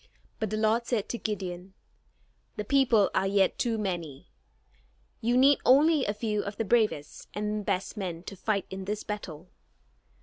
But the Lord said to Gideon: "The people are yet too many. You need only a few of the bravest and best men to fight in this battle.